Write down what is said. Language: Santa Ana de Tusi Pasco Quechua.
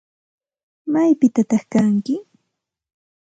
¿Maypitataq kanki?